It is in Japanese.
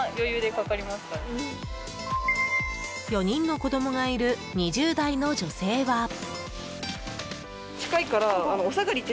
４人の子供がいる２０代の女性は。